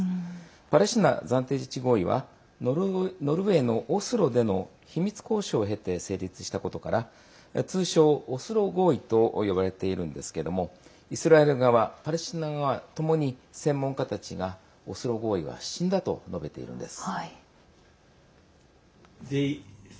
パレスチナ暫定自治合意はノルウェーのオスロでの秘密交渉を経て成立したことから通称オスロ合意と呼ばれているんですけどもイスラエル側、パレスチナ側ともに専門家たちがオスロ合意は死んだと述べているんです。